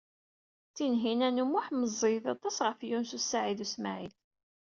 Tinhinan u Muḥ meẓẓiyet aṭas ɣef Yunes u Saɛid u Smaɛil.